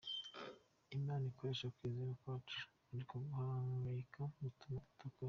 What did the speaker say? Imana ikoresha kwizera kwacu, ariko guhangayika gutuma idakora.